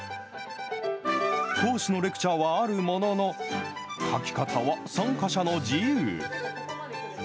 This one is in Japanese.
講師のレクチャーはあるものの、描き方は参加者の自由。